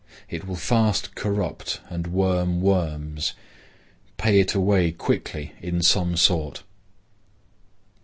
It will fast corrupt and worm worms. Pay it away quickly in some sort.